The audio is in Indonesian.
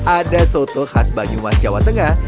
ada soto khas banyumas jawa tengah